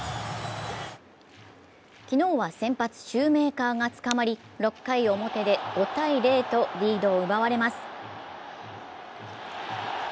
昨日は先発・シューメーカーがつかまり、６回表で５−０とリードを奪われます。